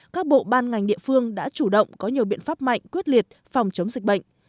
các bộ ban ngành địa phương đã chủ động có nhiều biện pháp mạnh quyết liệt phòng chống dịch bệnh